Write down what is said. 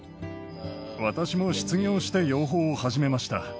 私も失業して養蜂を始めました。